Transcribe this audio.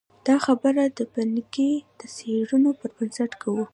دا خبره د پینکني د څېړنو پر بنسټ کوو.